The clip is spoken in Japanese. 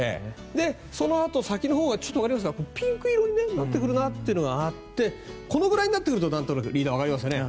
そのあと先のほうがピンク色になってくるなというのがあってこのぐらいになってくるとなんとなくリーダー、わかりますよね。